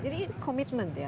jadi ini commitment ya